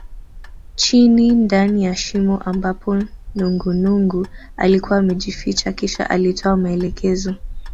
Chini ndani ya shimo ambapo nungunungu alikuwa amejificha kisha alitoa maelekezo